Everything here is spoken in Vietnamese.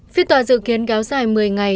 phiên tòa dự kiến kéo dài một mươi ngày